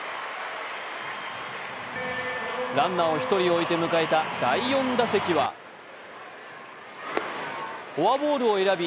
ランナーを１人置いて迎えた第４打席はフォアボールを選び